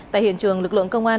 tại hiện trường lực lượng công an